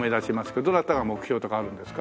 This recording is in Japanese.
どなたが目標とかあるんですか？